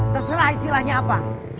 terserah istilahnya apa